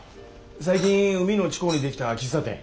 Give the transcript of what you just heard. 最近海の近うに出来た喫茶店。